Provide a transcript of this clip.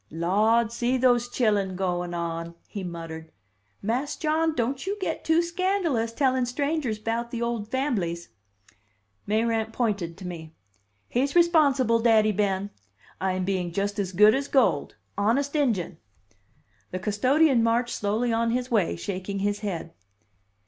"Lawd, see those chillun goin' on!" he muttered. "Mas' John, don't you get too scandalous, tellin' strangers 'bout the old famblies." Mayrant pointed to me. "He's responsible, Daddy Ben. I'm being just as good as gold. Honest injun!" The custodian marched slowly on his way, shaking his head.